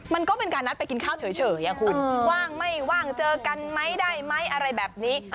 มันก็เป็นการนัดไปกินข้าวเฉยคุณว่างไม่ว่างเจอกันไหมได้ไหมอะไรแบบนี้